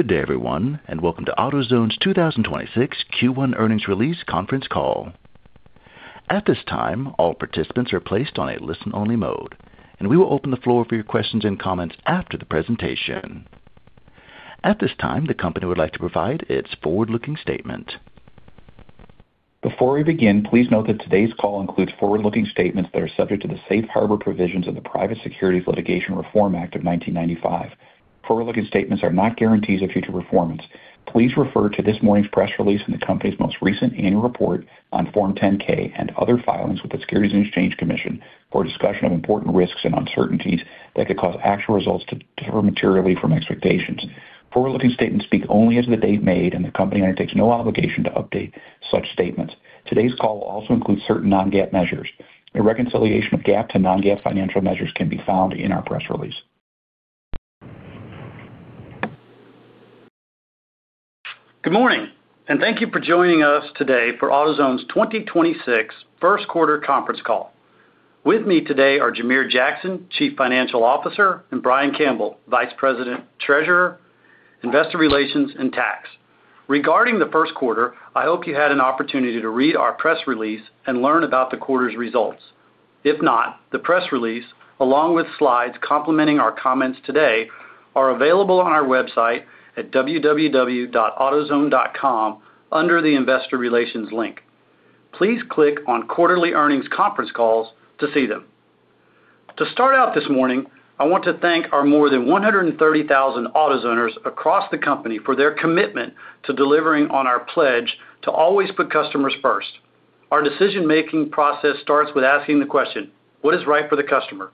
Good day, everyone, and welcome to AutoZone's 2026 Q1 Earnings Release Conference Call. At this time, all participants are placed on a listen-only mode, and we will open the floor for your questions and comments after the presentation. At this time, the company would like to provide its forward-looking statement. Before we begin, please note that today's call includes forward-looking statements that are subject to the Safe Harbor Provisions of the Private Securities Litigation Reform Act of 1995. Forward-looking statements are not guarantees of future performance. Please refer to this morning's press release and the company's most recent annual report on Form 10-K and other filings with the Securities and Exchange Commission for discussion of important risks and uncertainties that could cause actual results to differ materially from expectations. Forward-looking statements speak only as the date made, and the company undertakes no obligation to update such statements. Today's call will also include certain non-GAAP measures. A reconciliation of GAAP to non-GAAP financial measures can be found in our press release. Good morning, and thank you for joining us today for AutoZone's 2026 First Quarter Conference Call. With me today are Jamere Jackson, Chief Financial Officer, and Brian Campbell, Vice President, Treasurer, Investor Relations, and Tax. Regarding the first quarter, I hope you had an opportunity to read our press release and learn about the quarter's results. If not, the press release, along with slides complementing our comments today, are available on our website at www.AutoZone.com under the Investor Relations link. Please click on Quarterly Earnings Conference Calls to see them. To start out this morning, I want to thank our more than 130,000 AutoZoners across the company for their commitment to delivering on our pledge to always put customers first. Our decision-making process starts with asking the question, "What is right for the customer?"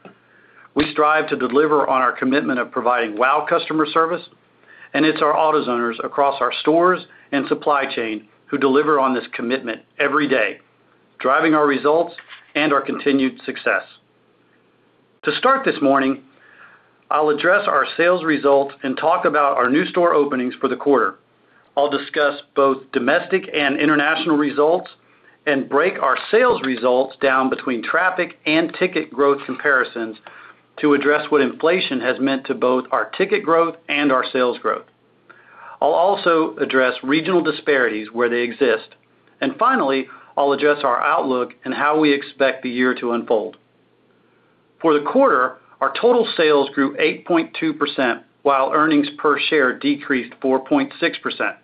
We strive to deliver on our commitment of providing wow customer service, and it's our AutoZoners across our stores and supply chain who deliver on this commitment every day, driving our results and our continued success. To start this morning, I'll address our sales results and talk about our new store openings for the quarter. I'll discuss both domestic and international results and break our sales results down between traffic and ticket growth comparisons to address what inflation has meant to both our ticket growth and our sales growth. I'll also address regional disparities where they exist, and finally, I'll address our outlook and how we expect the year to unfold. For the quarter, our total sales grew 8.2%, while earnings per share decreased 4.6%.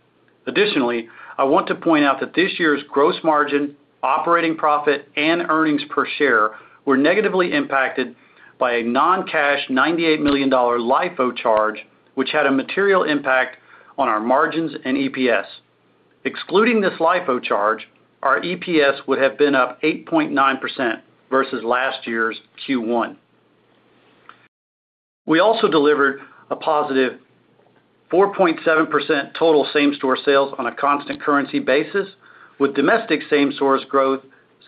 Additionally, I want to point out that this year's gross margin, operating profit, and earnings per share were negatively impacted by a non-cash $98 million LIFO charge, which had a material impact on our margins and EPS. Excluding this LIFO charge, our EPS would have been up 8.9% versus last year's Q1. We also delivered a positive 4.7% total same-store sales on a constant currency basis, with domestic same-store growth,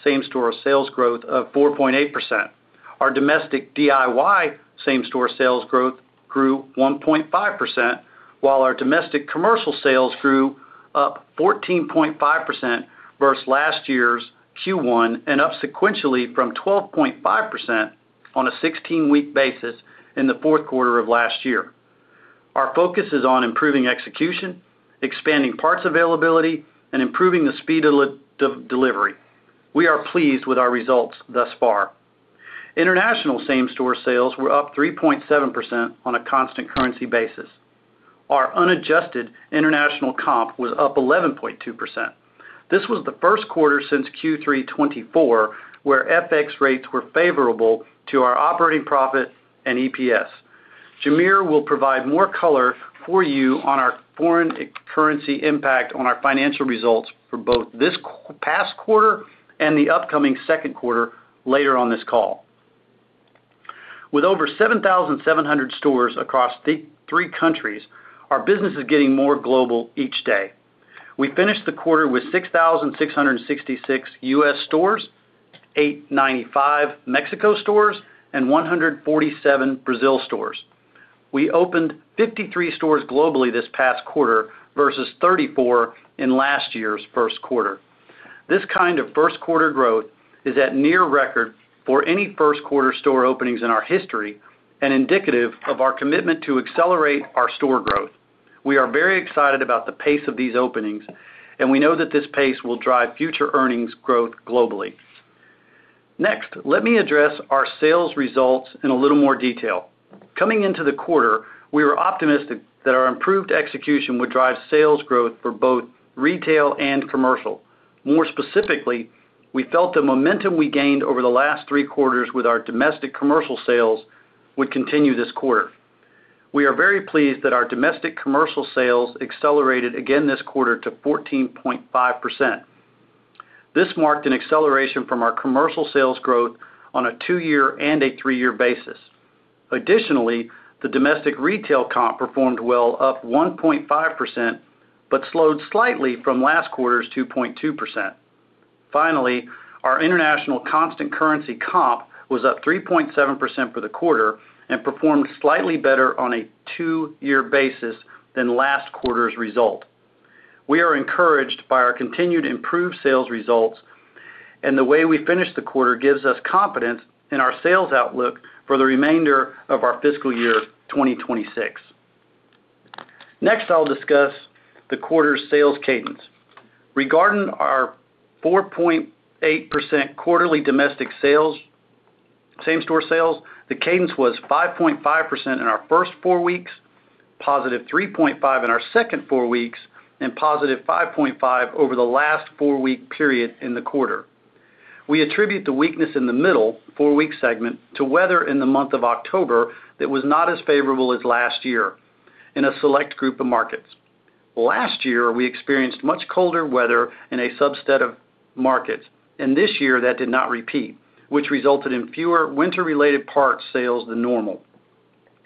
same-store sales growth of 4.8%. Our domestic DIY same-store sales growth grew 1.5%, while our domestic commercial sales grew up 14.5% versus last year's Q1 and up sequentially from 12.5% on a 16-week basis in the fourth quarter of last year. Our focus is on improving execution, expanding parts availability, and improving the speed of delivery. We are pleased with our results thus far. International same-store sales were up 3.7% on a constant currency basis. Our unadjusted international comp was up 11.2%. This was the first quarter since Q3 2024 where FX rates were favorable to our operating profit and EPS. Jamere will provide more color for you on our foreign currency impact on our financial results for both this past quarter and the upcoming second quarter later on this call. With over 7,700 stores across three countries, our business is getting more global each day. We finished the quarter with 6,666 U.S. stores, 895 Mexico stores, and 147 Brazil stores. We opened 53 stores globally this past quarter versus 34 in last year's first quarter. This kind of first quarter growth is at near record for any first quarter store openings in our history and indicative of our commitment to accelerate our store growth. We are very excited about the pace of these openings, and we know that this pace will drive future earnings growth globally. Next, let me address our sales results in a little more detail. Coming into the quarter, we were optimistic that our improved execution would drive sales growth for both retail and commercial. More specifically, we felt the momentum we gained over the last three quarters with our domestic commercial sales would continue this quarter. We are very pleased that our domestic commercial sales accelerated again this quarter to 14.5%. This marked an acceleration from our commercial sales growth on a two-year and a three-year basis. Additionally, the domestic retail comp performed well, up 1.5%, but slowed slightly from last quarter's 2.2%. Finally, our international constant currency comp was up 3.7% for the quarter and performed slightly better on a two-year basis than last quarter's result. We are encouraged by our continued improved sales results, and the way we finished the quarter gives us confidence in our sales outlook for the remainder of our fiscal year 2026. Next, I'll discuss the quarter's sales cadence. Regarding our 4.8% quarterly domestic same-store sales, the cadence was 5.5% in our first four weeks, positive 3.5% in our second four weeks, and positive 5.5% over the last four-week period in the quarter. We attribute the weakness in the middle four-week segment to weather in the month of October that was not as favorable as last year in a select group of markets. Last year, we experienced much colder weather in a subset of markets, and this year that did not repeat, which resulted in fewer winter-related parts sales than normal.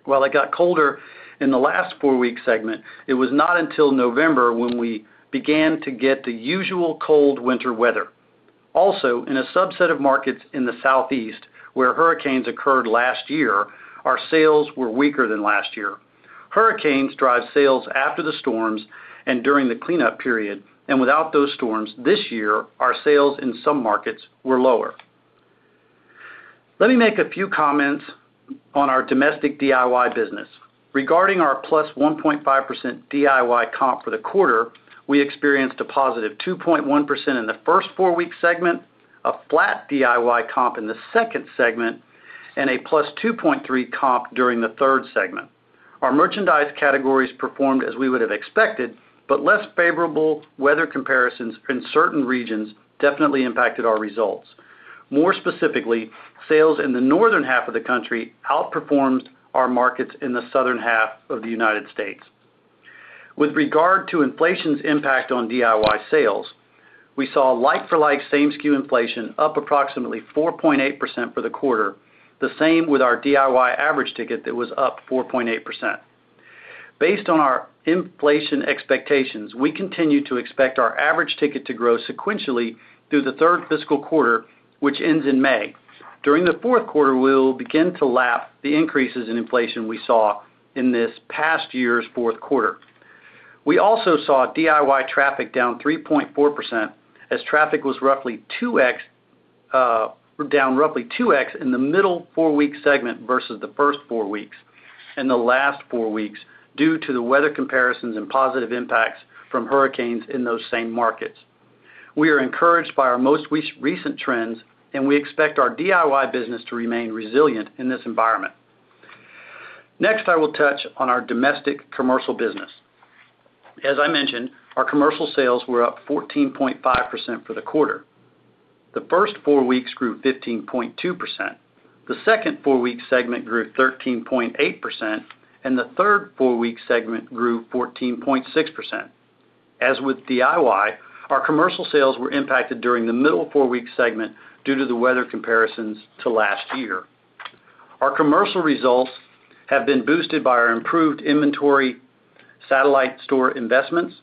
While it got colder in the last four-week segment, it was not until November when we began to get the usual cold winter weather. Also, in a subset of markets in the southeast where hurricanes occurred last year, our sales were weaker than last year. Hurricanes drive sales after the storms and during the cleanup period, and without those storms this year, our sales in some markets were lower. Let me make a few comments on our domestic DIY business. Regarding our plus 1.5% DIY comp for the quarter, we experienced a positive 2.1% in the first four-week segment, a flat DIY comp in the second segment, and a plus 2.3% comp during the third segment. Our merchandise categories performed as we would have expected, but less favorable weather comparisons in certain regions definitely impacted our results. More specifically, sales in the northern half of the country outperformed our markets in the southern half of the United States. With regard to inflation's impact on DIY sales, we saw like-for-like same-SKU inflation up approximately 4.8% for the quarter, the same with our DIY average ticket that was up 4.8%. Based on our inflation expectations, we continue to expect our average ticket to grow sequentially through the third fiscal quarter, which ends in May. During the fourth quarter, we'll begin to lap the increases in inflation we saw in this past year's fourth quarter. We also saw DIY traffic down 3.4% as traffic was roughly 2X down roughly 2X in the middle four-week segment versus the first four weeks and the last four weeks due to the weather comparisons and positive impacts from hurricanes in those same markets. We are encouraged by our most recent trends, and we expect our DIY business to remain resilient in this environment. Next, I will touch on our domestic commercial business. As I mentioned, our commercial sales were up 14.5% for the quarter. The first four weeks grew 15.2%. The second four-week segment grew 13.8%, and the third four-week segment grew 14.6%. As with DIY, our commercial sales were impacted during the middle four-week segment due to the weather comparisons to last year. Our commercial results have been boosted by our improved inventory, satellite store investments,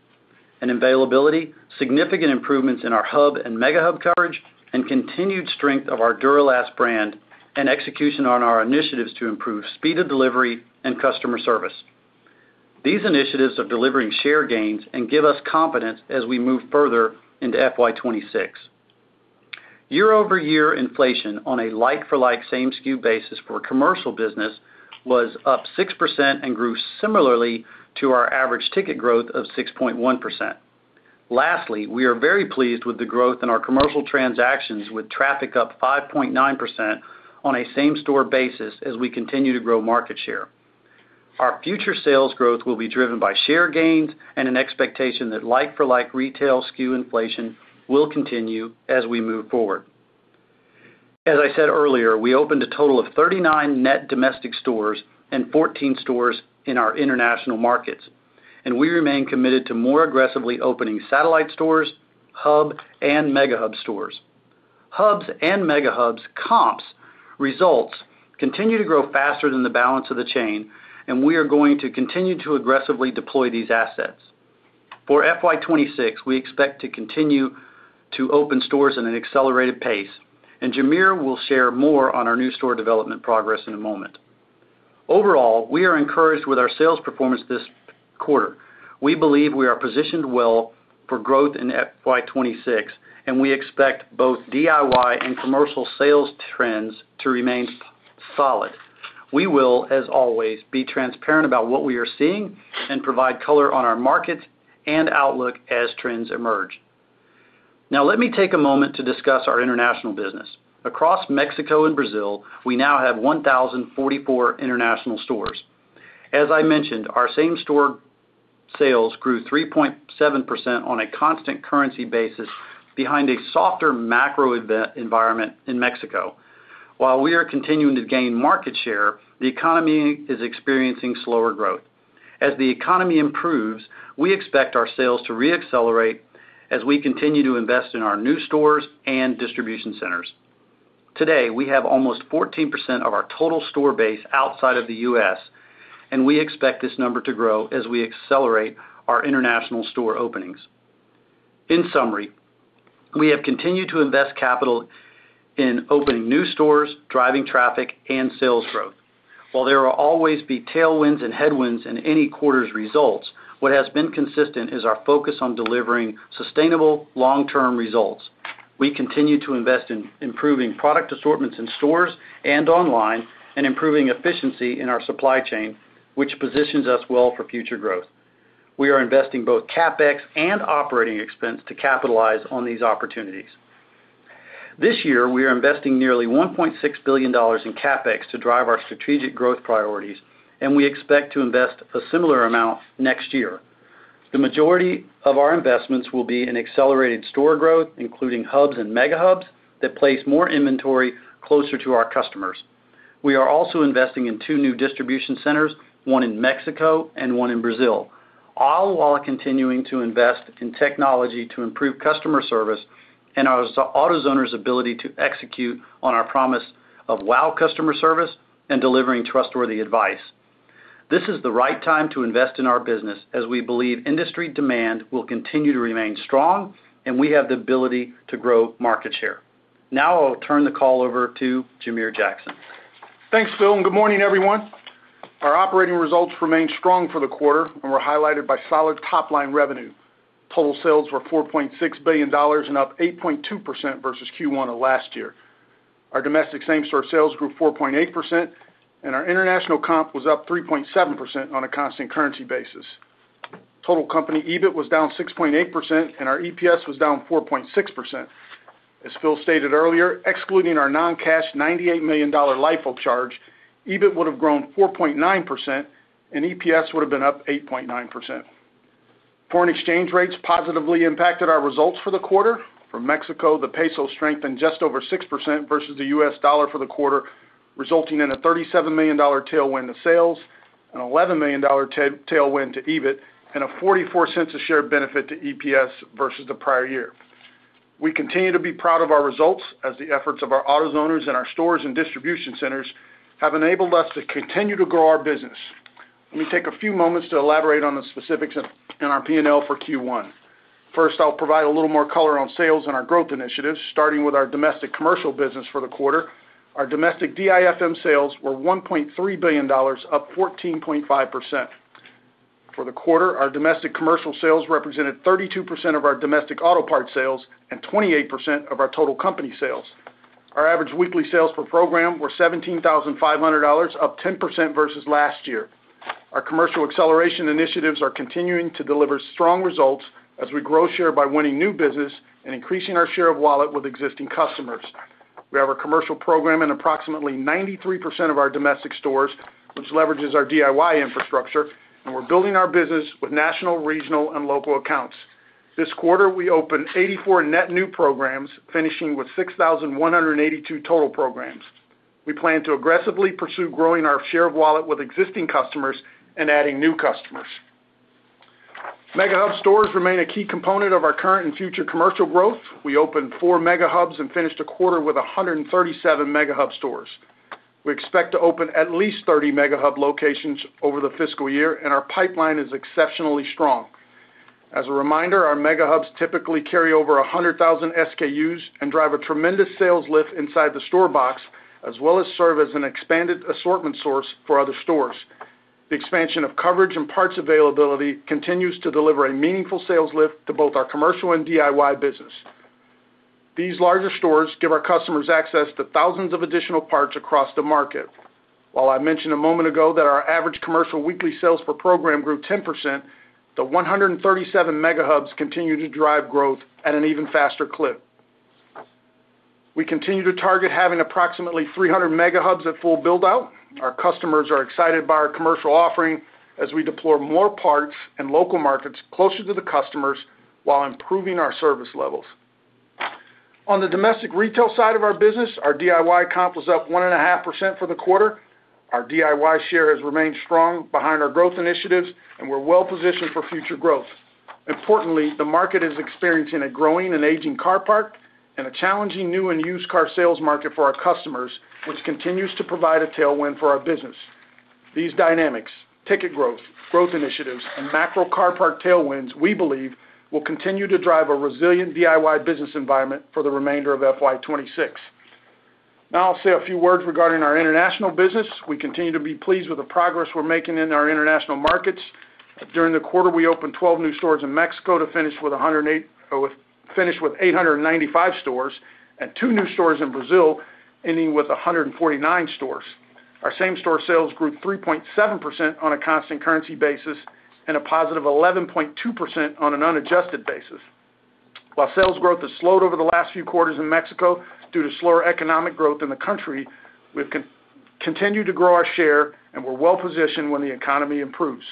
and availability, significant improvements in our hub and Mega Hub coverage, and continued strength of our Duralast brand and execution on our initiatives to improve speed of delivery and customer service. These initiatives are delivering share gains and give us confidence as we move further into FY26. Year-over-year inflation on a like-for-like same-SKU basis for commercial business was up 6% and grew similarly to our average ticket growth of 6.1%. Lastly, we are very pleased with the growth in our commercial transactions, with traffic up 5.9% on a same-store basis as we continue to grow market share. Our future sales growth will be driven by share gains and an expectation that like-for-like retail SKU inflation will continue as we move forward. As I said earlier, we opened a total of 39 net domestic stores and 14 stores in our international markets, and we remain committed to more aggressively opening satellite stores, Hub and Mega Hub stores. Hubs and Mega Hubs comps results continue to grow faster than the balance of the chain, and we are going to continue to aggressively deploy these assets. For FY26, we expect to continue to open stores at an accelerated pace, and Jamere will share more on our new store development progress in a moment. Overall, we are encouraged with our sales performance this quarter. We believe we are positioned well for growth in FY26, and we expect both DIY and commercial sales trends to remain solid. We will, as always, be transparent about what we are seeing and provide color on our markets and outlook as trends emerge. Now, let me take a moment to discuss our international business. Across Mexico and Brazil, we now have 1,044 international stores. As I mentioned, our same-store sales grew 3.7% on a constant currency basis behind a softer macro environment in Mexico. While we are continuing to gain market share, the economy is experiencing slower growth. As the economy improves, we expect our sales to re-accelerate as we continue to invest in our new stores and distribution centers. Today, we have almost 14% of our total store base outside of the US, and we expect this number to grow as we accelerate our international store openings. In summary, we have continued to invest capital in opening new stores, driving traffic, and sales growth. While there will always be tailwinds and headwinds in any quarter's results, what has been consistent is our focus on delivering sustainable long-term results. We continue to invest in improving product assortments in stores and online and improving efficiency in our supply chain, which positions us well for future growth. We are investing both CapEx and operating expense to capitalize on these opportunities. This year, we are investing nearly $1.6 billion in CapEx to drive our strategic growth priorities, and we expect to invest a similar amount next year. The majority of our investments will be in accelerated store growth, including hubs and Mega Hubs that place more inventory closer to our customers. We are also investing in two new distribution centers, one in Mexico and one in Brazil, all while continuing to invest in technology to improve customer service and our AutoZone's ability to execute on our promise of wow customer service and delivering trustworthy advice. This is the right time to invest in our business as we believe industry demand will continue to remain strong, and we have the ability to grow market share. Now, I'll turn the call over to Jamere Jackson. Thanks, Phil. And good morning, everyone. Our operating results remained strong for the quarter, and were highlighted by solid top-line revenue. Total sales were $4.6 billion and up 8.2% versus Q1 of last year. Our domestic same-store sales grew 4.8%, and our international comp was up 3.7% on a constant currency basis. Total company EBIT was down 6.8%, and our EPS was down 4.6%. As Phil stated earlier, excluding our non-cash $98 million LIFO charge, EBIT would have grown 4.9%, and EPS would have been up 8.9%. Foreign exchange rates positively impacted our results for the quarter. From Mexico, the peso strengthened just over 6% versus the U.S. dollar for the quarter, resulting in a $37 million tailwind to sales, an $11 million tailwind to EBIT, and a $0.44 per share benefit to EPS versus the prior year. We continue to be proud of our results as the efforts of our AutoZoners and our stores and distribution centers have enabled us to continue to grow our business. Let me take a few moments to elaborate on the specifics in our P&L for Q1. First, I'll provide a little more color on sales and our growth initiatives, starting with our domestic commercial business for the quarter. Our domestic DIFM sales were $1.3 billion, up 14.5%. For the quarter, our domestic commercial sales represented 32% of our domestic auto parts sales and 28% of our total company sales. Our average weekly sales per program were $17,500, up 10% versus last year. Our commercial acceleration initiatives are continuing to deliver strong results as we grow share by winning new business and increasing our share of wallet with existing customers. We have a commercial program in approximately 93% of our domestic stores, which leverages our DIY infrastructure, and we're building our business with national, regional, and local accounts. This quarter, we opened 84 net new programs, finishing with 6,182 total programs. We plan to aggressively pursue growing our share of wallet with existing customers and adding new customers. Mega hub stores remain a key component of our current and future commercial growth. We opened four Mega Hubs and finished the quarter with 137 Mega Hub stores. We expect to open at least 30 Mega Hub locations over the fiscal year, and our pipeline is exceptionally strong. As a reminder, our Mega Hubs typically carry over 100,000 SKUs and drive a tremendous sales lift inside the store box, as well as serve as an expanded assortment source for other stores. The expansion of coverage and parts availability continues to deliver a meaningful sales lift to both our commercial and DIY business. These larger stores give our customers access to thousands of additional parts across the market. While I mentioned a moment ago that our average commercial weekly sales per program grew 10%, the 137 Mega Hubs continue to drive growth at an even faster clip. We continue to target having approximately 300 Mega Hubs at full build-out. Our customers are excited by our commercial offering as we deploy more parts and local markets closer to the customers while improving our service levels. On the domestic retail side of our business, our DIY comp was up 1.5% for the quarter. Our DIY share has remained strong behind our growth initiatives, and we're well positioned for future growth. Importantly, the market is experiencing a growing and aging car park and a challenging new and used car sales market for our customers, which continues to provide a tailwind for our business. These dynamics, ticket growth, growth initiatives, and macro car park tailwinds, we believe, will continue to drive a resilient DIY business environment for the remainder of FY26. Now, I'll say a few words regarding our international business. We continue to be pleased with the progress we're making in our international markets. During the quarter, we opened 12 new stores in Mexico to finish with 895 stores and two new stores in Brazil, ending with 149 stores. Our same-store sales grew 3.7% on a constant currency basis and a positive 11.2% on an unadjusted basis. While sales growth has slowed over the last few quarters in Mexico due to slower economic growth in the country, we've continued to grow our share, and we're well positioned when the economy improves.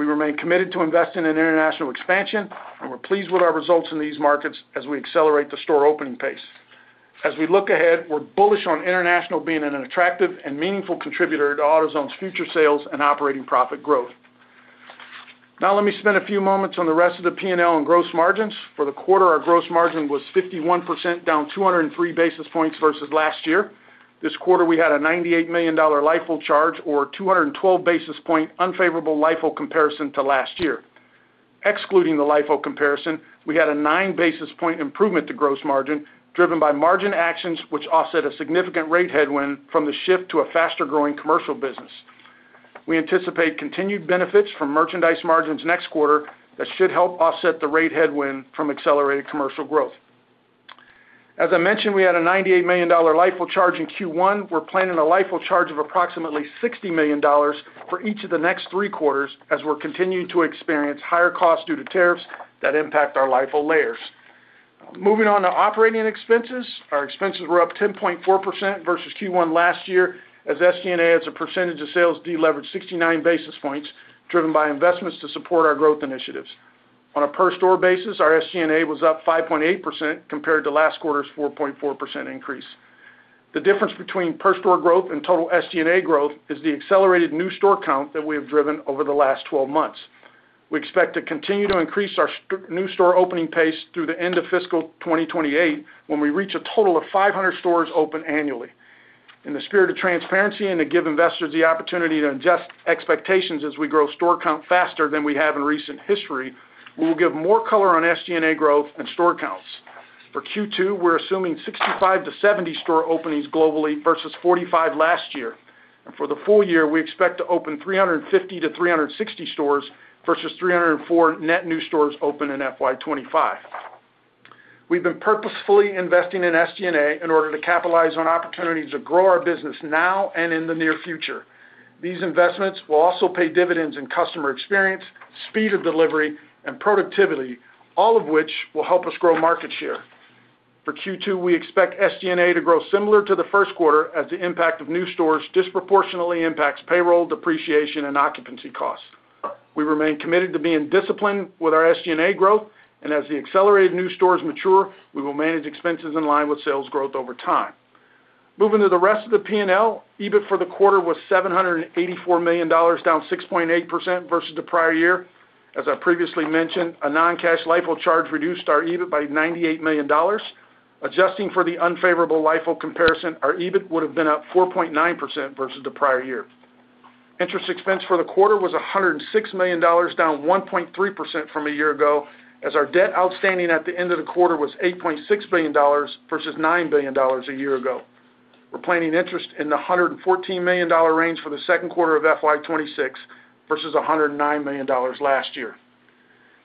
We remain committed to investing in international expansion, and we're pleased with our results in these markets as we accelerate the store opening pace. As we look ahead, we're bullish on international being an attractive and meaningful contributor to AutoZone's future sales and operating profit growth. Now, let me spend a few moments on the rest of the P&L and gross margins. For the quarter, our gross margin was 51%, down 203 basis points versus last year. This quarter, we had a $98 million LIFO charge, or 212 basis points unfavorable LIFO comparison to last year. Excluding the LIFO comparison, we had a 9 basis points improvement to gross margin driven by margin actions, which offset a significant rate headwind from the shift to a faster-growing commercial business. We anticipate continued benefits from merchandise margins next quarter that should help offset the rate headwind from accelerated commercial growth. As I mentioned, we had a $98 million LIFO charge in Q1. We're planning a LIFO charge of approximately $60 million for each of the next three quarters as we're continuing to experience higher costs due to tariffs that impact our LIFO layers. Moving on to operating expenses, our expenses were up 10.4% versus Q1 last year as SG&A as a percentage of sales deleveraged 69 basis points driven by investments to support our growth initiatives. On a per-store basis, our SG&A was up 5.8% compared to last quarter's 4.4% increase. The difference between per-store growth and total SG&A growth is the accelerated new store count that we have driven over the last 12 months. We expect to continue to increase our new store opening pace through the end of fiscal 2028 when we reach a total of 500 stores open annually. In the spirit of transparency and to give investors the opportunity to adjust expectations as we grow store count faster than we have in recent history, we will give more color on SG&A growth and store counts. For Q2, we're assuming 65 to 70 store openings globally versus 45 last year, and for the full year, we expect to open 350 to 360 stores versus 304 net new stores open in FY25. We've been purposefully investing in SG&A in order to capitalize on opportunities to grow our business now and in the near future. These investments will also pay dividends in customer experience, speed of delivery, and productivity, all of which will help us grow market share. For Q2, we expect SG&A to grow similar to the first quarter as the impact of new stores disproportionately impacts payroll, depreciation, and occupancy costs. We remain committed to being disciplined with our SG&A growth, and as the accelerated new stores mature, we will manage expenses in line with sales growth over time. Moving to the rest of the P&L, EBIT for the quarter was $784 million, down 6.8% versus the prior year. As I previously mentioned, a non-cash LIFO charge reduced our EBIT by $98 million. Adjusting for the unfavorable LIFO comparison, our EBIT would have been up 4.9% versus the prior year. Interest expense for the quarter was $106 million, down 1.3% from a year ago, as our debt outstanding at the end of the quarter was $8.6 billion versus $9 billion a year ago. We're planning interest in the $114 million range for the second quarter of FY26 versus $109 million last year.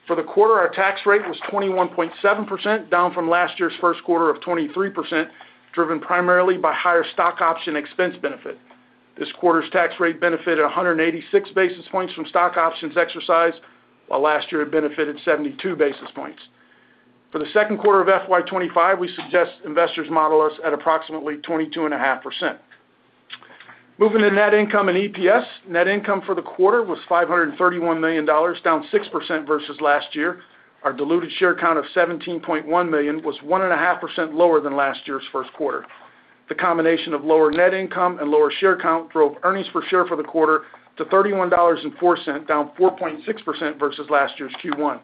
For the quarter, our tax rate was 21.7%, down from last year's first quarter of 23%, driven primarily by higher stock option expense benefit. This quarter's tax rate benefited 186 basis points from stock options exercised, while last year it benefited 72 basis points. For the second quarter of FY25, we suggest investors model us at approximately 22.5%. Moving to net income and EPS, net income for the quarter was $531 million, down 6% versus last year. Our diluted share count of 17.1 million was 1.5% lower than last year's first quarter. The combination of lower net income and lower share count drove earnings per share for the quarter to $31.04, down 4.6% versus last year's Q1.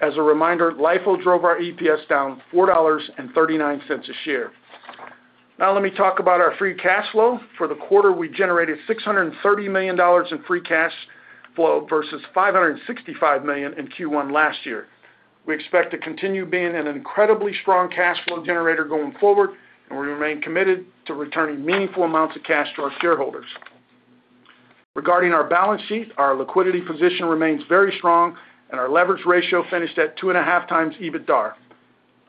As a reminder, LIFO drove our EPS down $4.39 a share. Now, let me talk about our free cash flow. For the quarter, we generated $630 million in free cash flow versus $565 million in Q1 last year. We expect to continue being an incredibly strong cash flow generator going forward, and we remain committed to returning meaningful amounts of cash to our shareholders. Regarding our balance sheet, our liquidity position remains very strong, and our leverage ratio finished at 2.5 times EBITDA.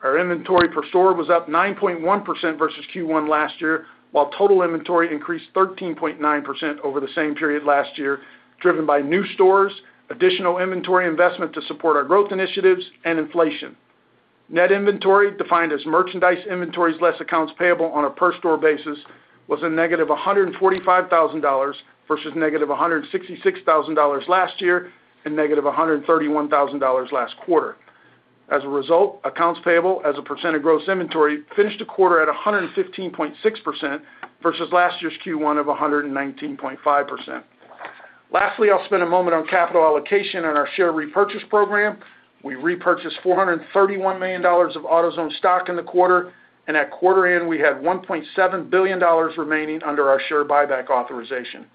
Our inventory per store was up 9.1% versus Q1 last year, while total inventory increased 13.9% over the same period last year, driven by new stores, additional inventory investment to support our growth initiatives, and inflation. Net inventory, defined as merchandise inventories less accounts payable on a per-store basis, was a negative $145,000 versus negative $166,000 last year and negative $131,000 last quarter. As a result, accounts payable as a percent of gross inventory finished the quarter at 115.6% versus last year's Q1 of 119.5%. Lastly, I'll spend a moment on capital allocation and our share repurchase program. We repurchased $431 million of AutoZone stock in the quarter, and at quarter end, we had $1.7 billion remaining under our share buyback authorization.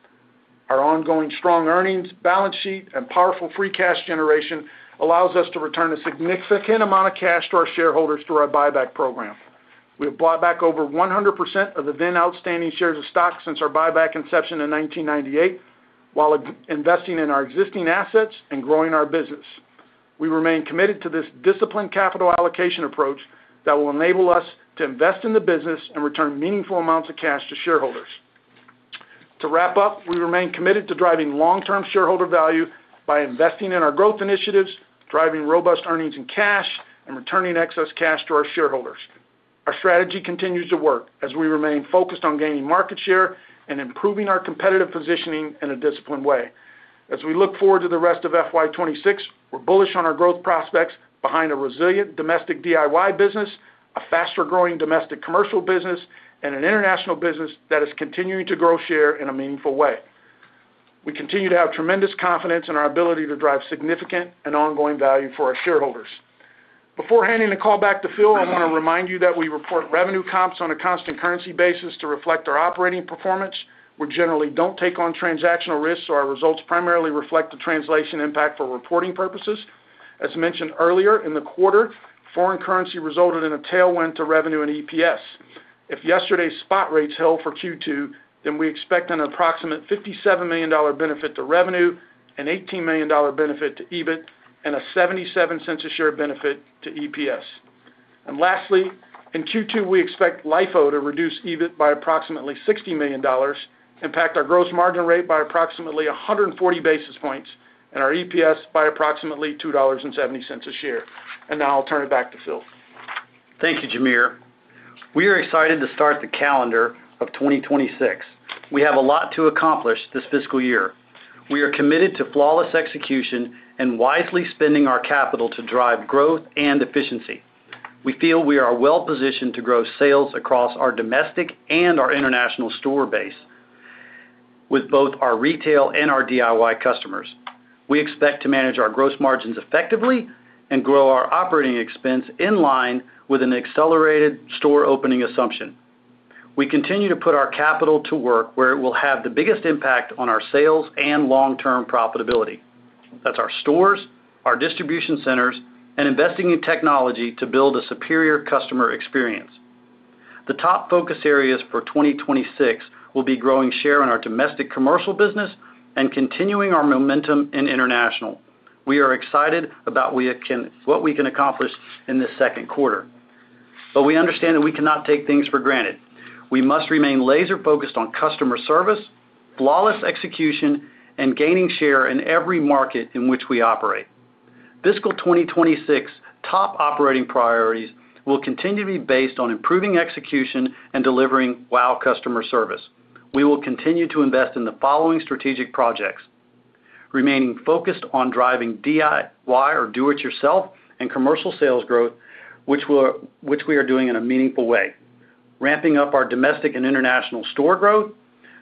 Our ongoing strong earnings, balance sheet, and powerful free cash generation allows us to return a significant amount of cash to our shareholders through our buyback program. We have bought back over 100% of the then outstanding shares of stock since our buyback inception in 1998, while investing in our existing assets and growing our business. We remain committed to this disciplined capital allocation approach that will enable us to invest in the business and return meaningful amounts of cash to shareholders. To wrap up, we remain committed to driving long-term shareholder value by investing in our growth initiatives, driving robust earnings in cash, and returning excess cash to our shareholders. Our strategy continues to work as we remain focused on gaining market share and improving our competitive positioning in a disciplined way. As we look forward to the rest of FY26, we're bullish on our growth prospects behind a resilient domestic DIY business, a faster-growing domestic commercial business, and an international business that is continuing to grow share in a meaningful way. We continue to have tremendous confidence in our ability to drive significant and ongoing value for our shareholders. Before handing the call back to Phil, I want to remind you that we report revenue comps on a constant currency basis to reflect our operating performance. We generally don't take on transactional risks, so our results primarily reflect the translation impact for reporting purposes. As mentioned earlier, in the quarter, foreign currency resulted in a tailwind to revenue and EPS. If yesterday's spot rates held for Q2, then we expect an approximate $57 million benefit to revenue, an $18 million benefit to EBIT, and a $0.77 a share benefit to EPS. Lastly, in Q2, we expect LIFO to reduce EBIT by approximately $60 million, impact our gross margin rate by approximately 140 basis points, and our EPS by approximately $2.70 a share. Now I'll turn it back to Phil. Thank you, Jamere. We are excited to start the calendar of 2026. We have a lot to accomplish this fiscal year. We are committed to flawless execution and wisely spending our capital to drive growth and efficiency. We feel we are well positioned to grow sales across our domestic and our international store base with both our retail and our DIY customers. We expect to manage our gross margins effectively and grow our operating expense in line with an accelerated store opening assumption. We continue to put our capital to work where it will have the biggest impact on our sales and long-term profitability. That's our stores, our distribution centers, and investing in technology to build a superior customer experience. The top focus areas for 2026 will be growing share in our domestic commercial business and continuing our momentum in international. We are excited about what we can accomplish in this second quarter. But we understand that we cannot take things for granted. We must remain laser-focused on customer service, flawless execution, and gaining share in every market in which we operate. Fiscal 2026 top operating priorities will continue to be based on improving execution and delivering wow customer service. We will continue to invest in the following strategic projects, remaining focused on driving DIY or do-it-yourself and commercial sales growth, which we are doing in a meaningful way, ramping up our domestic and international store growth,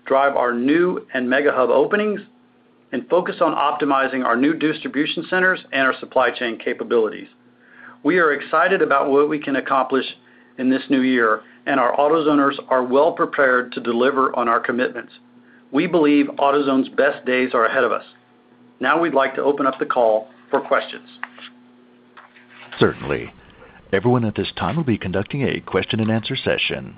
driving our new and Mega Hub openings, and focusing on optimizing our new distribution centers and our supply chain capabilities. We are excited about what we can accomplish in this new year, and our AutoZoners are well prepared to deliver on our commitments. We believe AutoZone's best days are ahead of us. Now we'd like to open up the call for questions. Certainly. Everyone at this time will be conducting a question-and-answer session.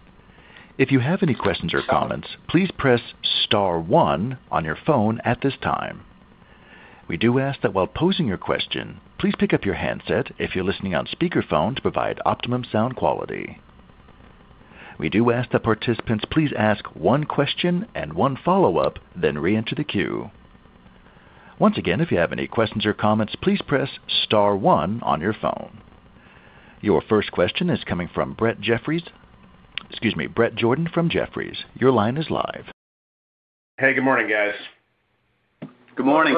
If you have any questions or comments, please press Star one on your phone at this time. We do ask that while posing your question, please pick up your handset if you're listening on speakerphone to provide optimum sound quality. We do ask that participants please ask one question and one follow-up, then re-enter the queue. Once again, if you have any questions or comments, please press Star one on your phone. Your first question is coming from Bret Jordan from Jefferies. Your line is live. Hey, good morning, guys. Good morning.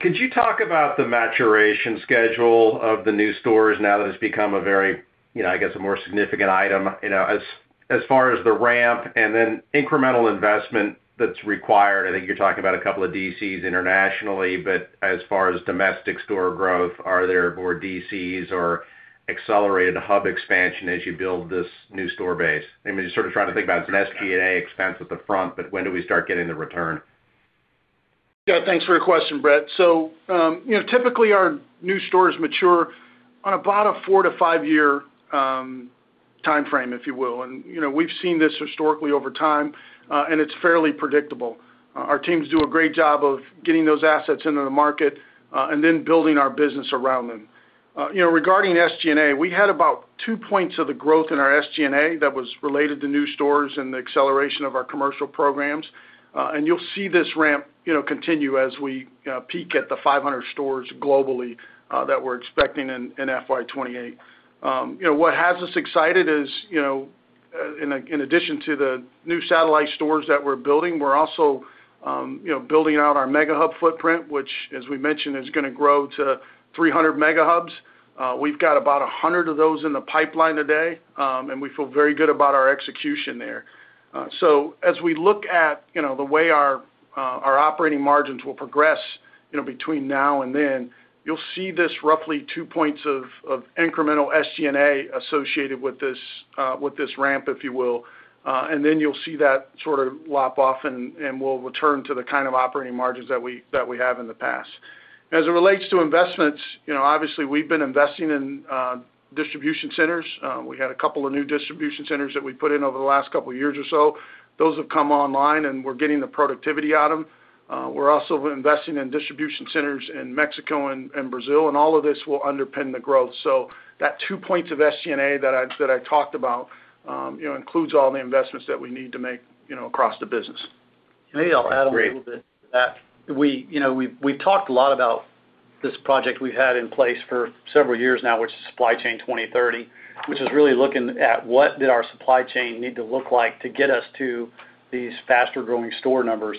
Could you talk about the maturation schedule of the new stores now that it's become a very, I guess, a more significant item as far as the ramp and then incremental investment that's required? I think you're talking about a couple of DCs internationally, but as far as domestic store growth, are there more DCs or accelerated hub expansion as you build this new store base? I mean, you're sort of trying to think about it as an SG&A expense at the front, but when do we start getting the return? Yeah, thanks for your question, Bret. So typically, our new stores mature on about a four to five-year timeframe, if you will. And we've seen this historically over time, and it's fairly predictable. Our teams do a great job of getting those assets into the market and then building our business around them. Regarding SG&A, we had about two points of the growth in our SG&A that was related to new stores and the acceleration of our commercial programs. You'll see this ramp continue as we peak at the 500 stores globally that we're expecting in FY28. What has us excited is, in addition to the new satellite stores that we're building, we're also building out our Mega Hub footprint, which, as we mentioned, is going to grow to 300 Mega Hubs. We've got about 100 of those in the pipeline today, and we feel very good about our execution there. As we look at the way our operating margins will progress between now and then, you'll see this roughly two points of incremental SG&A associated with this ramp, if you will. Then you'll see that sort of lop off, and we'll return to the kind of operating margins that we have in the past. As it relates to investments, obviously, we've been investing in distribution centers. We had a couple of new distribution centers that we put in over the last couple of years or so. Those have come online, and we're getting the productivity out of them. We're also investing in distribution centers in Mexico and Brazil, and all of this will underpin the growth. So that two points of SG&A that I talked about includes all the investments that we need to make across the business. Maybe I'll add on a little bit to that. We've talked a lot about this project we've had in place for several years now, which is Supply Chain 2030, which is really looking at what did our supply chain need to look like to get us to these faster-growing store numbers.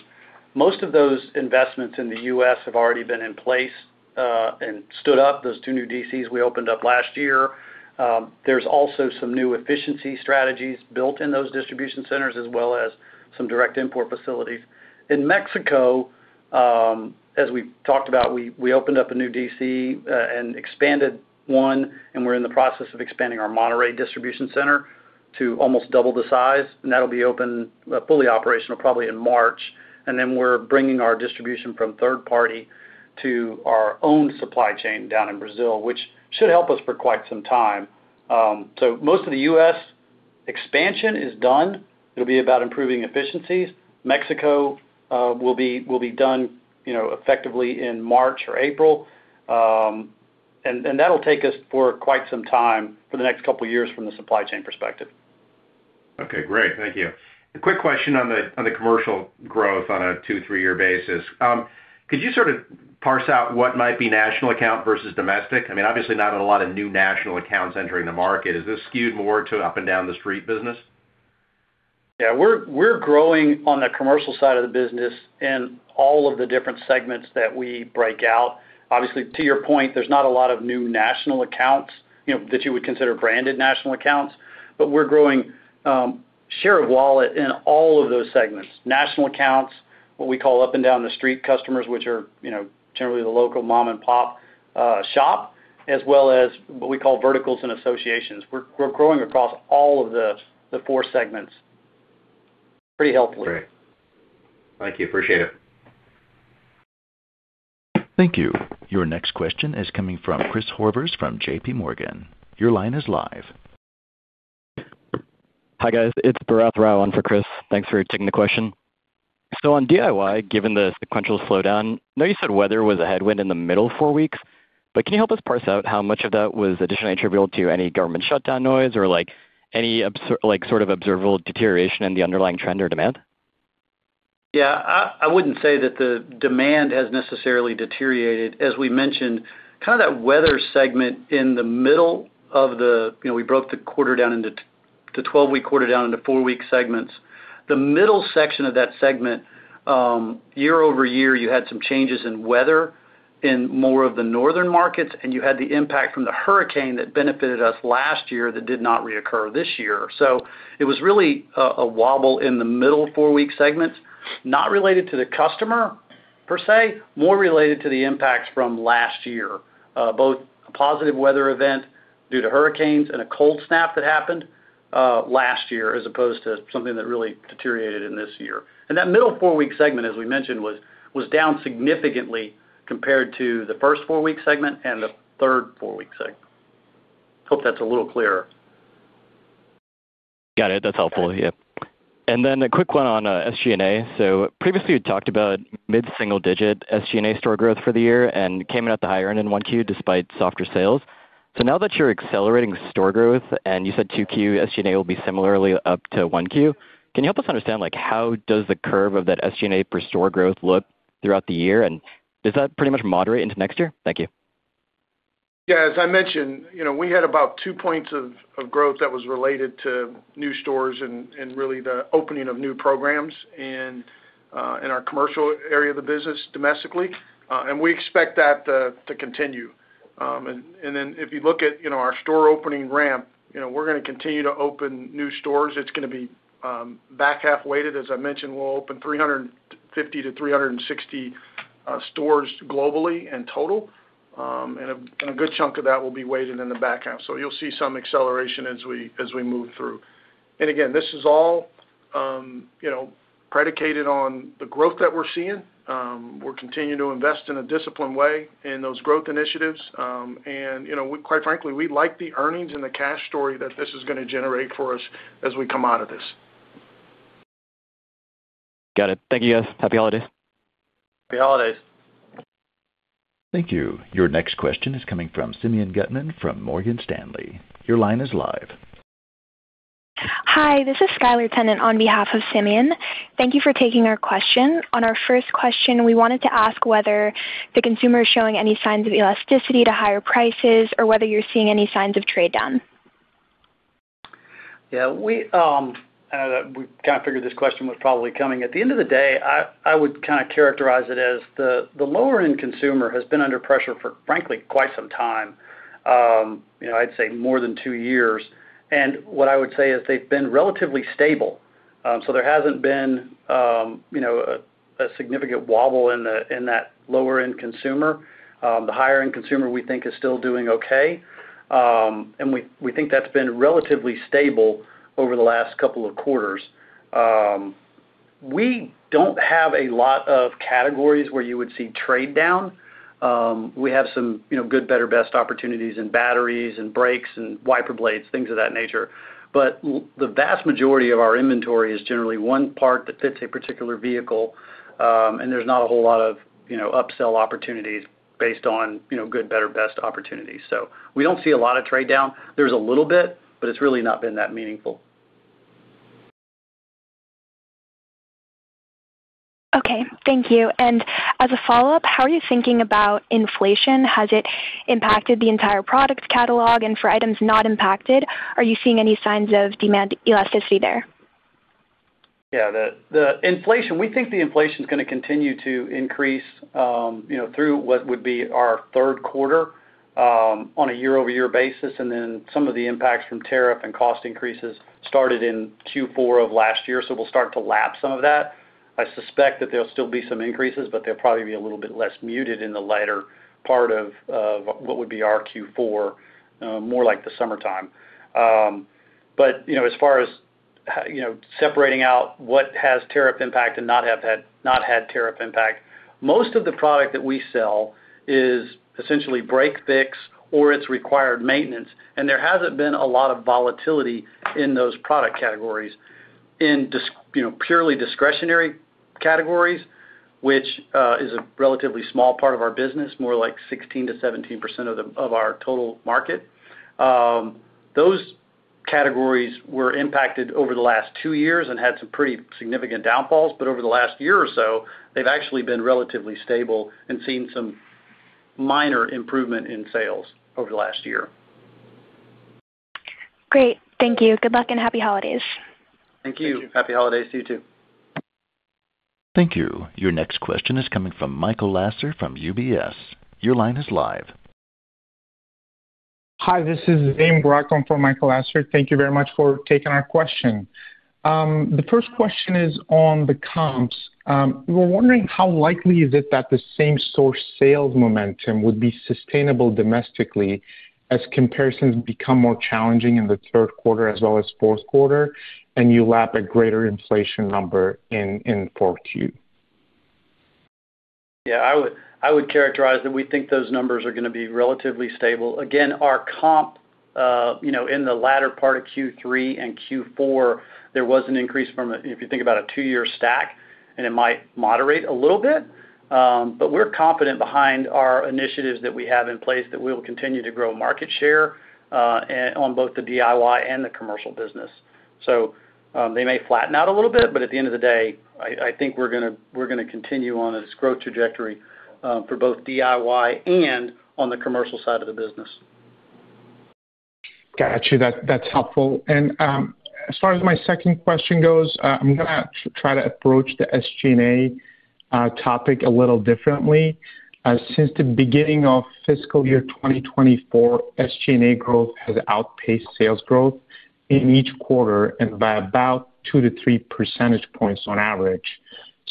Most of those investments in the U.S. have already been in place and stood up. Those two new DCs we opened up last year. There's also some new efficiency strategies built in those distribution centers, as well as some direct import facilities. In Mexico, as we've talked about, we opened up a new DC and expanded one, and we're in the process of expanding our Monterrey distribution center to almost double the size. And that'll be open fully operational probably in March. And then we're bringing our distribution from third party to our own supply chain down in Brazil, which should help us for quite some time. So most of the U.S. expansion is done. It'll be about improving efficiencies. Mexico will be done effectively in March or April. And that'll take us for quite some time for the next couple of years from the supply chain perspective. Okay, great. Thank you. Quick question on the commercial growth on a two- to three-year basis. Could you sort of parse out what might be national account versus domestic? I mean, obviously, not a lot of new national accounts entering the market. Is this skewed more to up and down the street business? Yeah, we're growing on the commercial side of the business in all of the different segments that we break out. Obviously, to your point, there's not a lot of new national accounts that you would consider branded national accounts, but we're growing share of wallet in all of those segments: national accounts, what we call up and down the street customers, which are generally the local mom-and-pop shop, as well as what we call verticals and associations. We're growing across all of the four segments.pretty healthily. Great. Thank you. Appreciate it. Thank you. Your next question is coming from Chris Horvers from JPMorgan. Your line is live. Hi guys, it's Dane Brown in for Chris. Thanks for taking the question. So on DIY, given the sequential slowdown, I know you said weather was a headwind in the middle four weeks, but can you help us parse out how much of that was additionally attributable to any government shutdown noise or any sort of observable deterioration in the underlying trend or demand? Yeah, I wouldn't say that the demand has necessarily deteriorated. As we mentioned, kind of that weather segment in the middle of the—we broke the quarter down into the 12-week quarter down into 4-week segments. The middle section of that segment, year over year, you had some changes in weather in more of the northern markets, and you had the impact from the hurricane that benefited us last year that did not reoccur this year. It was really a wobble in the middle four-week segments, not related to the customer per se, more related to the impacts from last year, both a positive weather event due to hurricanes and a cold snap that happened last year as opposed to something that really deteriorated in this year. And that middle four-week segment, as we mentioned, was down significantly compared to the first four-week segment and the third four-week segment. Hope that's a little clearer. Got it. That's helpful. Yep. And then a quick one on SG&A. So previously, we talked about mid-single-digit SG&A store growth for the year and came in at the higher end in 1Q despite softer sales. So now that you're accelerating store growth and you said 2Q, SG&A will be similarly up to 1Q, can you help us understand how does the curve of that SG&A per store growth look throughout the year? And is that pretty much moderate into next year? Thank you. Yeah, as I mentioned, we had about two points of growth that was related to new stores and really the opening of new programs in our commercial area of the business domestically. And we expect that to continue. And then if you look at our store opening ramp, we're going to continue to open new stores. It's going to be back half-weighted. As I mentioned, we'll open 350 to 360 stores globally in total, and a good chunk of that will be weighted in the back half. So you'll see some acceleration as we move through. And again, this is all predicated on the growth that we're seeing. We're continuing to invest in a disciplined way in those growth initiatives. And quite frankly, we like the earnings and the cash story that this is going to generate for us as we come out of this. Got it. Thank you, guys. Happy holidays. Happy holidays. Thank you. Your next question is coming from Simeon Gutmann from Morgan Stanley. Your line is live. Hi, this is Skylar Tennant on behalf of Simeon. Thank you for taking our question. On our first question, we wanted to ask whether the consumer is showing any signs of elasticity to higher prices or whether you're seeing any signs of trade down. Yeah, we kind of figured this question was probably coming. At the end of the day, I would kind of characterize it as the lower-end consumer has been under pressure for, frankly, quite some time. I'd say more than two years. And what I would say is they've been relatively stable. So there hasn't been a significant wobble in that lower-end consumer. The higher-end consumer, we think, is still doing okay. And we think that's been relatively stable over the last couple of quarters. We don't have a lot of categories where you would see trade down. We have some good, better, best opportunities in batteries and brakes and wiper blades, things of that nature. But the vast majority of our inventory is generally one part that fits a particular vehicle, and there's not a whole lot of upsell opportunities based on good, better, best opportunities. So we don't see a lot of trade down. There's a little bit, but it's really not been that meaningful. Okay. Thank you. And as a follow-up, how are you thinking about inflation? Has it impacted the entire product catalog? And for items not impacted, are you seeing any signs of demand elasticity there? Yeah, the inflation, we think the inflation is going to continue to increase through what would be our third quarter on a year-over-year basis. And then some of the impacts from tariff and cost increases started in Q4 of last year. So we'll start to lap some of that. I suspect that there'll still be some increases, but they'll probably be a little bit less muted in the latter part of what would be our Q4, more like the summertime. But as far as separating out what has tariff impact and not had tariff impact, most of the product that we sell is essentially break fix or it's required maintenance. And there hasn't been a lot of volatility in those product categories. In purely discretionary categories, which is a relatively small part of our business, more like 16% to 17% of our total market, those categories were impacted over the last two years and had some pretty significant downfalls. But over the last year or so, they've actually been relatively stable and seen some minor improvement in sales over the last year. Great. Thank you. Good luck and happy holidays. Thank you. Happy holidays to you too. Thank you. Your next question is coming from Michael Lasser from UBS. Your line is live. Hi, this is Zane Rosely in for Michael Lasser. Thank you very much for taking our question. The first question is on the comps. We're wondering how likely is it that the same source sales momentum would be sustainable domestically as comparisons become more challenging in the third quarter as well as fourth quarter and you lap a greater inflation number in fourth Q? Yeah, I would characterize that we think those numbers are going to be relatively stable. Again, our comp in the latter part of Q3 and Q4, there was an increase from, if you think about a two-year stack, and it might moderate a little bit. But we're confident behind our initiatives that we have in place that we will continue to grow market share on both the DIY and the commercial business. So they may flatten out a little bit, but at the end of the day, I think we're going to continue on this growth trajectory for both DIY and on the commercial side of the business. Gotcha. That's helpful. And as far as my second question goes, I'm going to try to approach the SG&A topic a little differently. Since the beginning of fiscal year 2024, SG&A growth has outpaced sales growth in each quarter and by about two to three percentage points on average.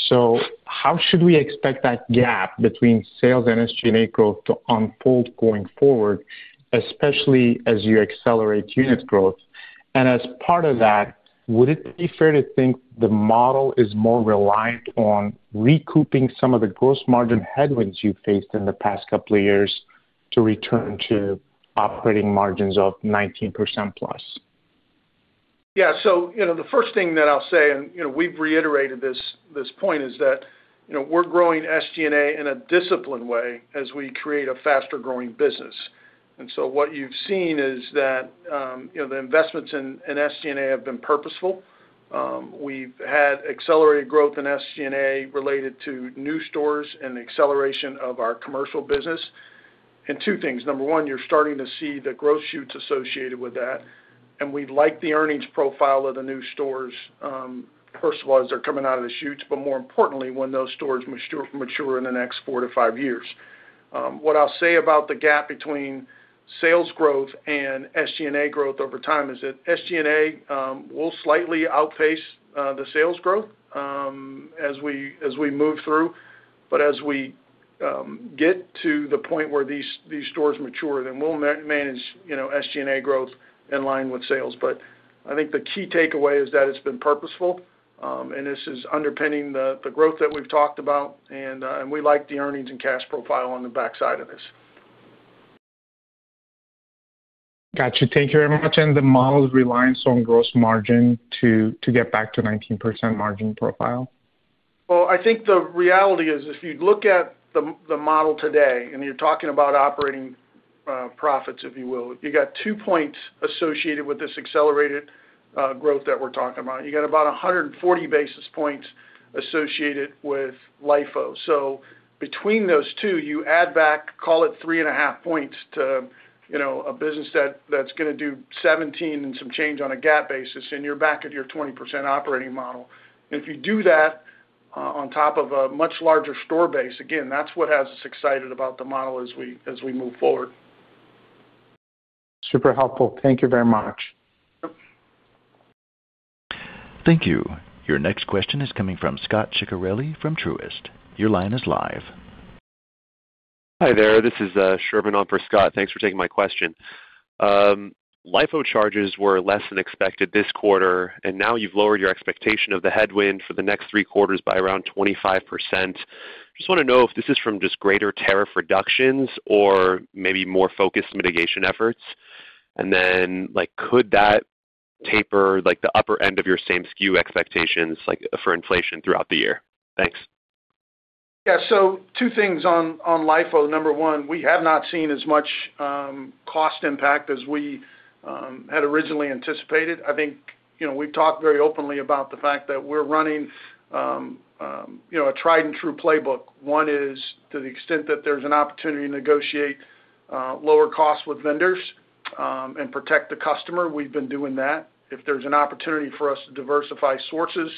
So how should we expect that gap between sales and SG&A growth to unfold going forward, especially as you accelerate unit growth? And as part of that, would it be fair to think the model is more reliant on recouping some of the gross margin headwinds you faced in the past couple of years to return to operating margins of 19% plus? Yeah. So the first thing that I'll say, and we've reiterated this point, is that we're growing SG&A in a disciplined way as we create a faster-growing business. And so what you've seen is that the investments in SG&A have been purposeful. We've had accelerated growth in SG&A related to new stores and acceleration of our commercial business. And two things. Number one, you're starting to see the green shoots associated with that. And we like the earnings profile of the new stores, first of all, as they're coming out of the chute, but more importantly, when those stores mature in the next four to five years. What I'll say about the gap between sales growth and SG&A growth over time is that SG&A will slightly outpace the sales growth as we move through. But as we get to the point where these stores mature, then we'll manage SG&A growth in line with sales. But I think the key takeaway is that it's been purposeful, and this is underpinning the growth that we've talked about. And we like the earnings and cash profile on the backside of this. Gotcha. Thank you very much. And the model's reliance on gross margin to get back to 19% margin profile? Well, I think the reality is if you look at the model today and you're talking about operating profits, if you will, you got two points associated with this accelerated growth that we're talking about. You got about 140 basis points associated with LIFO. Between those two, you add back, call it three and a half points to a business that's going to do 17 and some change on a GAAP basis, and you're back at your 20% operating model. And if you do that on top of a much larger store base, again, that's what has us excited about the model as we move forward. Super helpful. Thank you very much. Thank you. Your next question is coming from Scott Ciccarelli from Truist. Your line is live. Hi there. This is Sherman on for Scott. Thanks for taking my question. LIFO charges were less than expected this quarter, and now you've lowered your expectation of the headwind for the next three quarters by around 25%. Just want to know if this is from just greater tariff reductions or maybe more focused mitigation efforts and then could that taper the upper end of your same SKU expectations for inflation throughout the year? Thanks. Yeah. So two things on LIFO. Number one, we have not seen as much cost impact as we had originally anticipated. I think we've talked very openly about the fact that we're running a tried-and-true playbook. One is to the extent that there's an opportunity to negotiate lower costs with vendors and protect the customer. We've been doing that. If there's an opportunity for us to diversify sources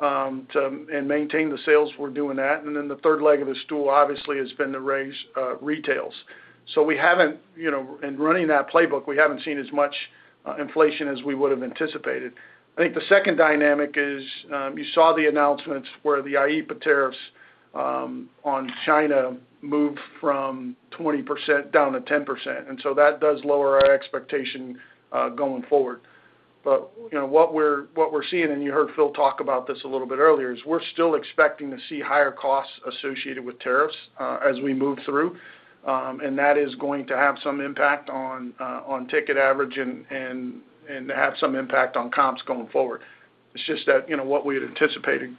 and maintain the sales, we're doing that. And then the third leg of the stool, obviously, has been to raise retails. So in running that playbook, we haven't seen as much inflation as we would have anticipated. I think the second dynamic is you saw the announcements where the EPA tariffs on China moved from 20% down to 10%. So that does lower our expectation going forward. What we're seeing, and you heard Phil talk about this a little bit earlier, is we're still expecting to see higher costs associated with tariffs as we move through. That is going to have some impact on ticket average and have some impact on comps going forward. It's just that what we had anticipated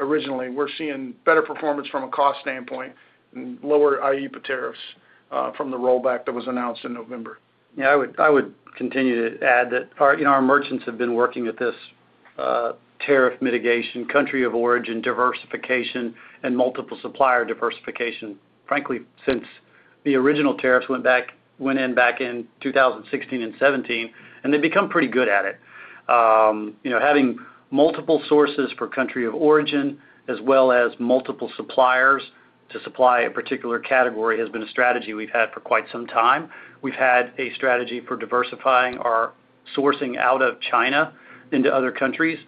originally, we're seeing better performance from a cost standpoint and lower IEPA tariffs from the rollback that was announced in November. Yeah, I would continue to add that our merchants have been working with this tariff mitigation, country of origin, diversification, and multiple supplier diversification, frankly, since the original tariffs went in back in 2016 and 2017. They've become pretty good at it. Having multiple sources for country of origin as well as multiple suppliers to supply a particular category has been a strategy we've had for quite some time. We've had a strategy for diversifying our sourcing out of China into other countries